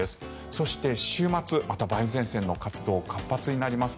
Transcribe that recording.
そして、週末また梅雨前線の活動が活発になります。